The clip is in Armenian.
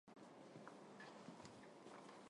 Այս բանը թերևս անսպասելի լինի քեզ համար: